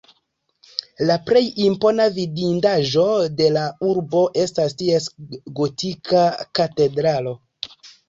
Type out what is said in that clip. La plej impona vidindaĵo de la urbo estas ties gotika katedralo.